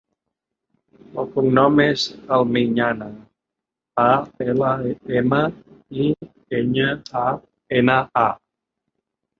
El cognom és Almiñana: a, ela, ema, i, enya, a, ena, a.